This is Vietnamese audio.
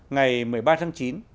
ngày một mươi ba tháng chín